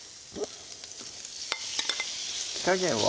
火加減は？